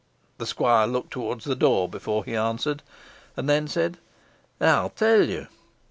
The squire looked towards the door before he answered, and then said "I will tell you.